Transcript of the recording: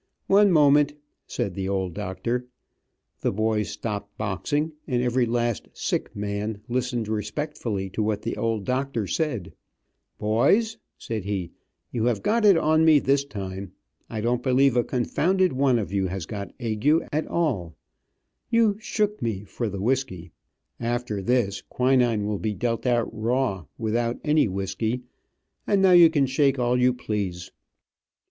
"One moment," said the old doctor. The boys stopped boxing, and every last "sick" man listened respectfully to what the old doctor said; "Boys," said he, "you have got it on me this time. I don't believe a confounded one of you have got ague at all. You 'shook me' for the whisky. After this, quinine will be dealt out raw, without any whisky, and now you can shake all you please."